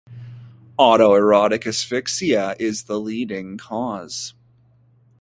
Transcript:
Autoerotic asphyxia is the leading cause.